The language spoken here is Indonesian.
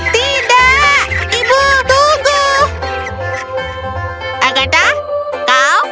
tidak ibu tunggu